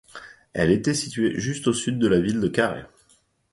Elle était située juste au sud de la ville de Carhaix.